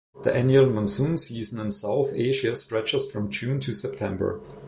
The annual monsoon season in South Asia stretches from June to September.